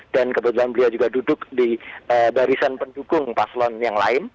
dan kebetulan beliau juga duduk di barisan pendukung paslon yang lain